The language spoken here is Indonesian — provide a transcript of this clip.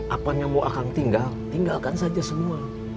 apa yang mau akan tinggal tinggalkan saja semua